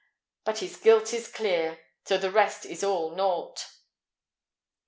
But his guilt is clear, so the rest is all nought."